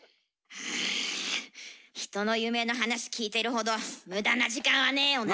うん人の夢の話聞いてるほど無駄な時間はねえよな。